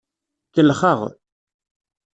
Kellxeɣ.